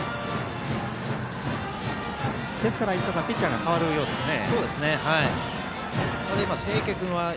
ですからピッチャーが代わるようですね。